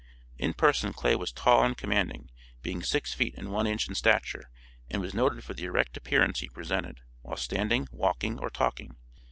In person, Clay was tall and commanding, being six feet and one inch in stature, and was noted for the erect appearance he presented, while standing, walking, or talking.